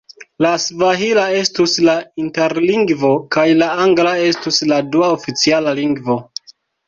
La svahila estus la interlingvo kaj la angla estus la dua oficiala lingvo.